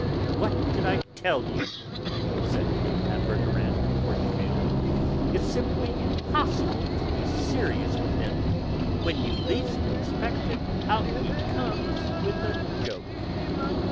"What did I tell you?" said Mme. Verdurin to Forcheville. "It's simply impossible to be serious with him. When you least expect it, out he comes with a joke."